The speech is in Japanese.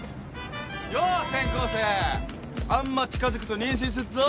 よう転校生あんま近づくと妊娠すっぞ。